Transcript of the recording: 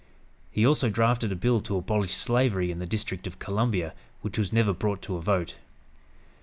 He also drafted a bill to abolish slavery in the District of Columbia, which was never brought to a vote.